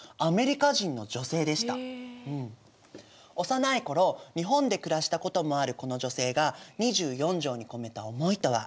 幼い頃日本で暮らしたこともあるこの女性が２４条に込めた思いとは。